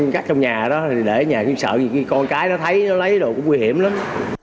cắt trong nhà đó để ở nhà khi sợ con cái nó thấy nó lấy đồ cũng nguy hiểm lắm